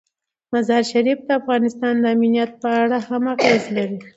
مزارشریف د افغانستان د امنیت په اړه هم اغېز لري.